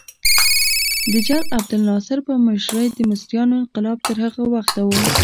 د جل عبدالناصر په مشرۍ د مصریانو انقلاب تر هغه وخته و.